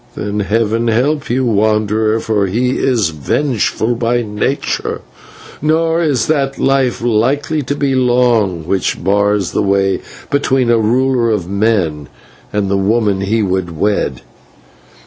Then Heaven help you, wanderer, for he is vengeful by nature, nor is that life likely to be long which bars the way between a ruler of men and the woman he would wed.